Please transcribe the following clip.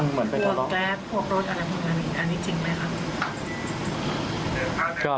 เหมือนไปทะเลาะครับเรื่องแก๊บโพลกรถอะไรอันนี้จริงไหมครับ